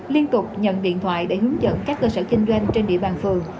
liên tục nhận điện thoại để hướng dẫn các cơ sở kinh doanh trên địa bàn phường